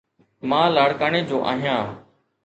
مان لاڙڪاڻي جو آھيان.